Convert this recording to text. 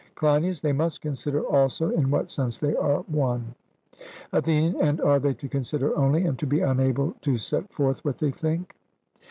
CLEINIAS: They must consider also in what sense they are one. ATHENIAN: And are they to consider only, and to be unable to set forth what they think?